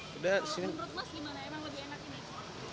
kalau menurut mas gimana emang lebih enak ini